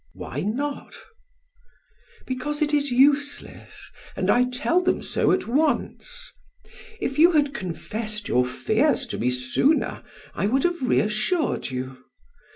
"Why not?" "Because it is useless, and I tell them so at once. If you had confessed your fears to me sooner, I would have reassured you.